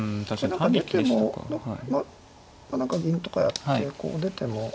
何か出ても何か銀とかやってこう出ても。